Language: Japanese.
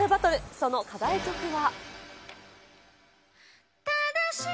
その課題曲は。